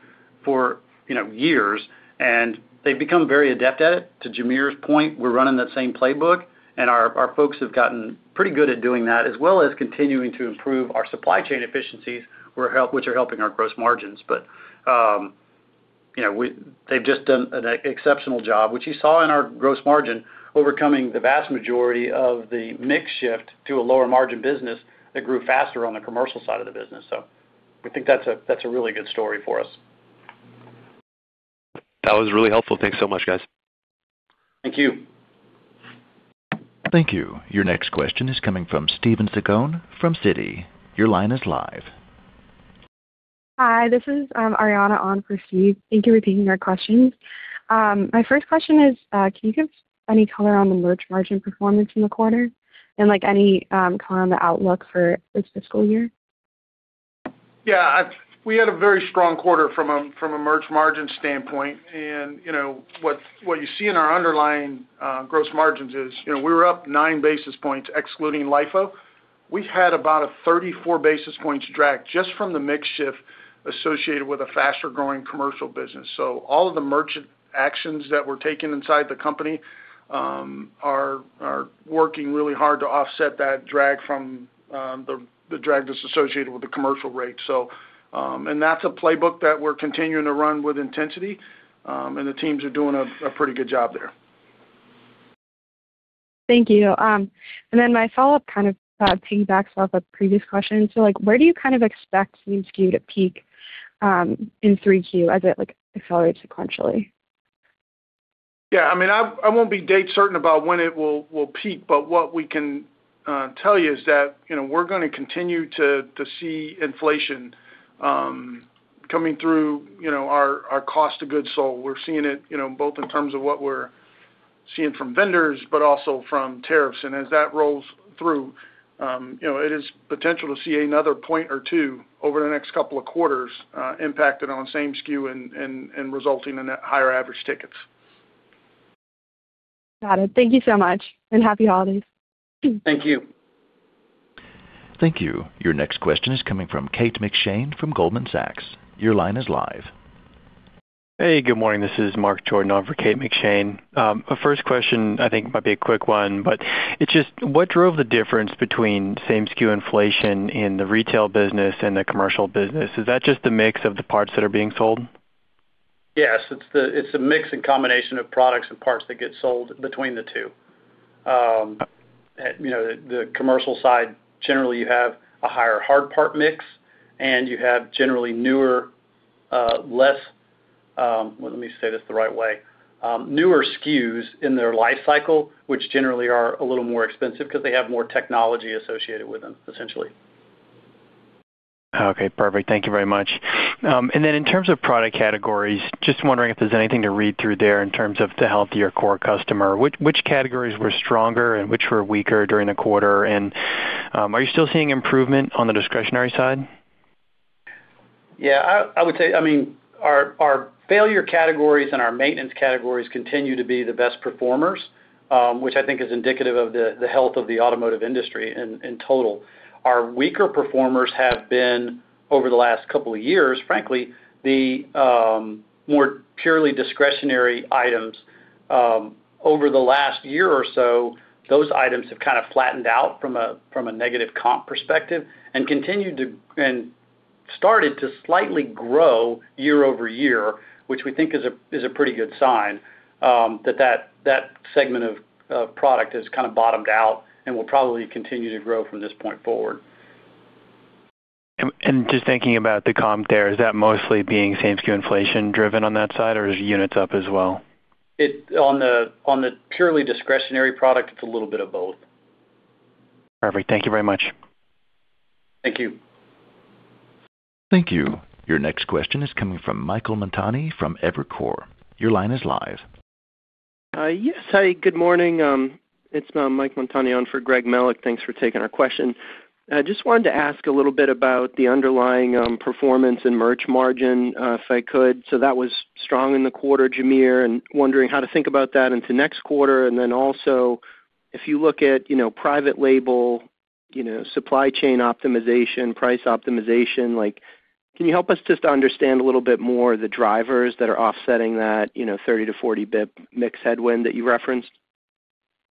for years, and they've become very adept at it. To Jamere's point, we're running that same playbook, and our folks have gotten pretty good at doing that as well as continuing to improve our supply chain efficiencies, which are helping our gross margins, but they've just done an exceptional job, which you saw in our gross margin, overcoming the vast majority of the mix shift to a lower margin business that grew faster on the commercial side of the business. So we think that's a really good story for us. That was really helpful. Thanks so much, guys. Thank you. Thank you. Your next question is coming from Steven Zaccone from Citi. Your line is live. Hi, this is Ariana on for Steve. Thank you for taking our questions. My first question is, can you give any color on the merch margin performance in the quarter and any color on the outlook for this fiscal year? Yeah. We had a very strong quarter from a merch margin standpoint, and what you see in our underlying gross margins is we were up nine basis points excluding LIFO. We had about a 34 basis points drag just from the mix shift associated with a faster-growing commercial business. So all of the merchant actions that were taken inside the company are working really hard to offset that drag from the drag that's associated with the commercial rate. And that's a playbook that we're continuing to run with intensity, and the teams are doing a pretty good job there. Thank you. And then my follow-up kind of piggybacks off of previous questions. So where do you kind of expect SKU to peak in 3Q as it accelerates sequentially? Yeah. I mean, I won't be date certain about when it will peak, but what we can tell you is that we're going to continue to see inflation coming through our cost of goods sold. We're seeing it both in terms of what we're seeing from vendors, but also from tariffs. And as that rolls through, it is potential to see another point or two over the next couple of quarters impacted on same SKU and resulting in higher average tickets. Got it. Thank you so much. And happy holidays. Thank you. Thank you. Your next question is coming from Kate McShane from Goldman Sachs. Your line is live. Hey, good morning. This is Mark Carden for Kate McShane. My first question, I think, might be a quick one, but it's just what drove the difference between same SKU inflation in the retail business and the commercial business? Is that just the mix of the parts that are being sold? Yes. It's a mix and combination of products and parts that get sold between the two. The commercial side, generally, you have a higher hard part mix, and you have generally newer, less, well, let me say this the right way, newer SKUs in their life cycle, which generally are a little more expensive because they have more technology associated with them, essentially. Okay. Perfect. Thank you very much. And then, in terms of product categories, just wondering if there's anything to read through there in terms of the healthier core customer. Which categories were stronger and which were weaker during the quarter? And are you still seeing improvement on the discretionary side? Yeah. I would say, I mean, our failure categories and our maintenance categories continue to be the best performers, which I think is indicative of the health of the automotive industry in total. Our weaker performers have been, over the last couple of years, frankly, the more purely discretionary items. Over the last year or so, those items have kind of flattened out from a negative comp perspective and started to slightly grow year over year, which we think is a pretty good sign that that segment of product has kind of bottomed out and will probably continue to grow from this point forward. And just thinking about the comp there, is that mostly being same SKU inflation driven on that side, or is units up as well? On the purely discretionary product, it's a little bit of both. Perfect. Thank you very much. Thank you. Thank you. Your next question is coming from Michael Montani from Evercore. Your line is live. Yes. Hi, good morning. It's Michael Montani on for Greg Melich. Thanks for taking our question. I just wanted to ask a little bit about the underlying performance and merch margin, if I could. So that was strong in the quarter, Jamere, and wondering how to think about that into next quarter. And then also, if you look at private label, supply chain optimization, price optimization, can you help us just understand a little bit more of the drivers that are offsetting that 30- to 40-basis point mix headwind that you referenced?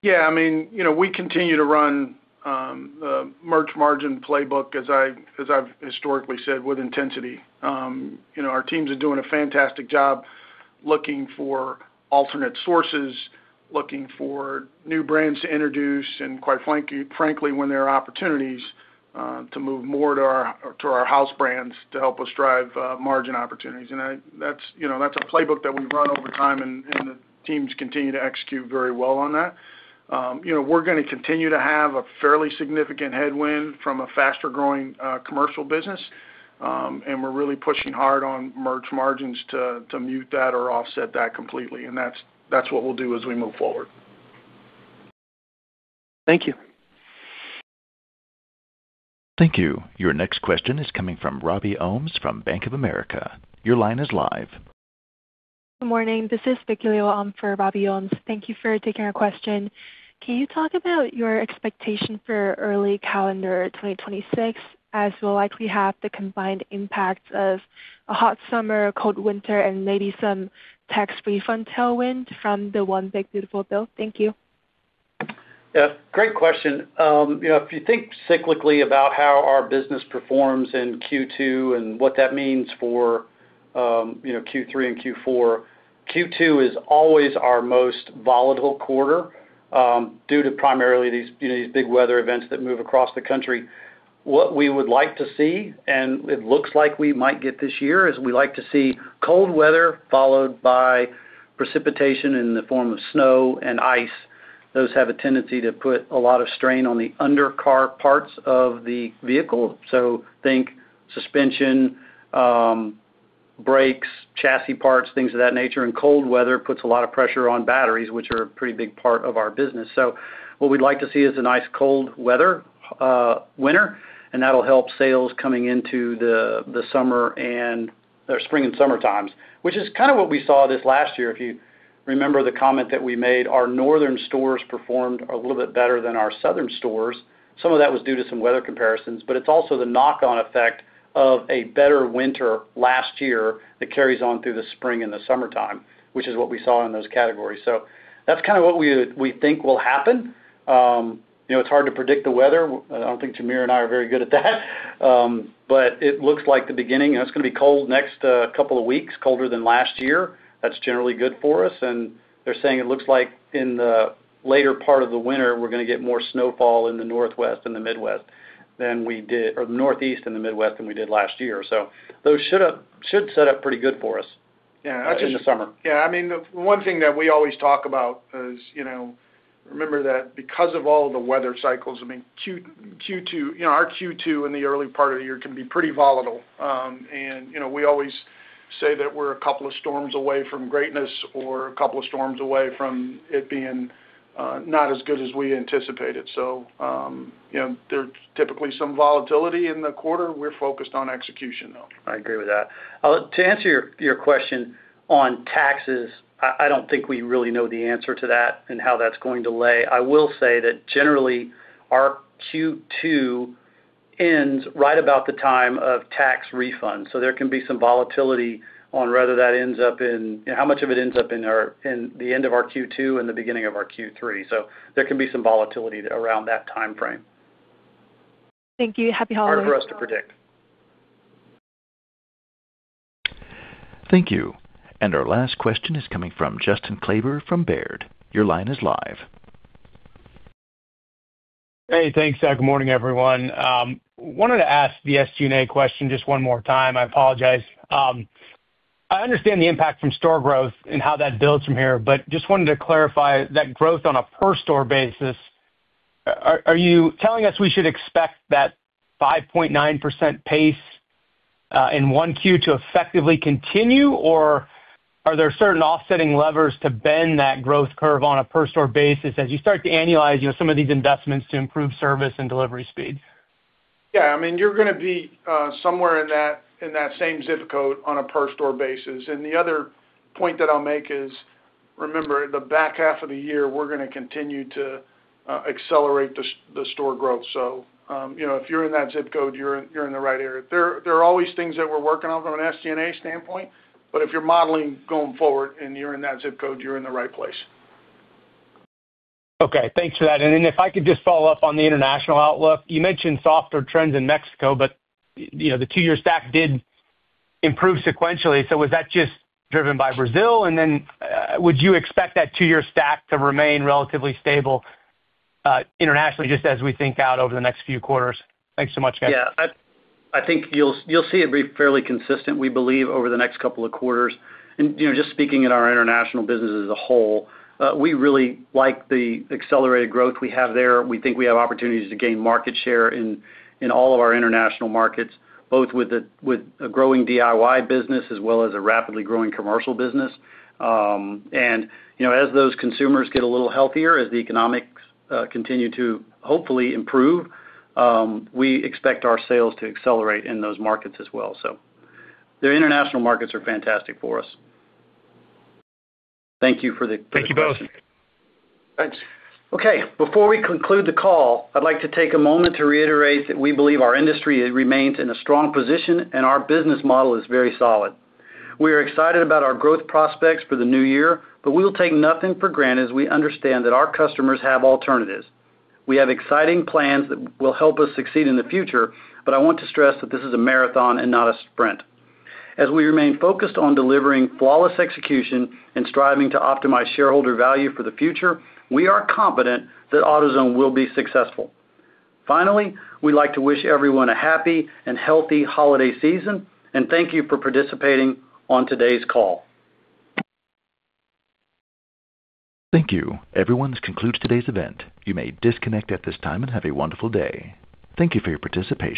Yeah. I mean, we continue to run the merch margin playbook, as I've historically said, with intensity. Our teams are doing a fantastic job looking for alternate sources, looking for new brands to introduce, and quite frankly, when there are opportunities, to move more to our house brands to help us drive margin opportunities. And that's a playbook that we've run over time, and the teams continue to execute very well on that. We're going to continue to have a fairly significant headwind from a faster-growing commercial business, and we're really pushing hard on merch margins to mute that or offset that completely. And that's what we'll do as we move forward. Thank you. Thank you. Your next question is coming from Robbie Ohmes from Bank of America. Your line is live. Good morning. This is Beculio on for Robbie Ohmes. Thank you for taking our question. Can you talk about your expectation for early calendar 2026, as we'll likely have the combined impact of a hot summer, cold winter, and maybe some tax refund tailwind from the One Big Beautiful Bill? Thank you. Yeah. Great question. If you think cyclically about how our business performs in Q2 and what that means for Q3 and Q4, Q2 is always our most volatile quarter due to primarily these big weather events that move across the country. What we would like to see, and it looks like we might get this year, is we'd like to see cold weather followed by precipitation in the form of snow and ice. Those have a tendency to put a lot of strain on the undercar parts of the vehicle. So think suspension, brakes, chassis parts, things of that nature. Cold weather puts a lot of pressure on batteries, which are a pretty big part of our business. What we'd like to see is a nice cold weather winter, and that'll help sales coming into the spring and summertimes, which is kind of what we saw this last year. If you remember the comment that we made, our northern stores performed a little bit better than our southern stores. Some of that was due to some weather comparisons, but it's also the knock-on effect of a better winter last year that carries on through the spring and the summertime, which is what we saw in those categories. That's kind of what we think will happen. It's hard to predict the weather. I don't think Jamere and I are very good at that, but it looks like the beginning. It's going to be cold next couple of weeks, colder than last year. That's generally good for us. And they're saying it looks like in the later part of the winter, we're going to get more snowfall in the Northwest and the Midwest than we did, or the Northeast and the Midwest than we did last year. So those should set up pretty good for us in the summer. Yeah. I mean, one thing that we always talk about is remember that because of all the weather cycles, I mean, our Q2 in the early part of the year can be pretty volatile. And we always say that we're a couple of storms away from greatness or a couple of storms away from it being not as good as we anticipated. So there's typically some volatility in the quarter. We're focused on execution, though. I agree with that. To answer your question on taxes, I don't think we really know the answer to that and how that's going to play. I will say that generally, our Q2 ends right about the time of tax refunds. So there can be some volatility on whether that ends up in how much of it ends up in the end of our Q2 and the beginning of our Q3. So there can be some volatility around that timeframe. Thank you. Happy holidays. Hard for us to predict. Thank you. Our last question is coming from Justin Kleber from Baird. Your line is live. Hey, thanks. Good morning, everyone. I wanted to ask the SG&A question just one more time. I apologize. I understand the impact from store growth and how that builds from here, but just wanted to clarify that growth on a per-store basis. Are you telling us we should expect that 5.9% pace in 1Q to effectively continue, or are there certain offsetting levers to bend that growth curve on a per-store basis as you start to annualize some of these investments to improve service and delivery speed? Yeah. I mean, you're going to be somewhere in that same zip code on a per-store basis, and the other point that I'll make is, remember, the back half of the year, we're going to continue to accelerate the store growth. So if you're in that zip code, you're in the right area. There are always things that we're working on from an SG&A standpoint, but if you're modeling going forward and you're in that zip code, you're in the right place. Okay. Thanks for that. Then if I could just follow up on the international outlook, you mentioned softer trends in Mexico, but the two-year stack did improve sequentially. So was that just driven by Brazil? And then would you expect that two-year stack to remain relatively stable internationally just as we think out over the next few quarters? Thanks so much, guys. Yeah. I think you'll see it be fairly consistent, we believe, over the next couple of quarters. And just speaking in our international business as a whole, we really like the accelerated growth we have there. We think we have opportunities to gain market share in all of our international markets, both with a growing DIY business as well as a rapidly growing commercial business. And as those consumers get a little healthier, as the economics continue to hopefully improve, we expect our sales to accelerate in those markets as well. The international markets are fantastic for us. Thank you for the questions. Thank you both. Thanks. Okay. Before we conclude the call, I'd like to take a moment to reiterate that we believe our industry remains in a strong position, and our business model is very solid. We are excited about our growth prospects for the new year, but we will take nothing for granted as we understand that our customers have alternatives. We have exciting plans that will help us succeed in the future, but I want to stress that this is a marathon and not a sprint. As we remain focused on delivering flawless execution and striving to optimize shareholder value for the future, we are confident that AutoZone will be successful. Finally, we'd like to wish everyone a happy and healthy holiday season, and thank you for participating on today's call. Thank you. Everyone, this concludes today's event. You may disconnect at this time and have a wonderful day. Thank you for your participation.